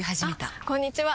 あこんにちは！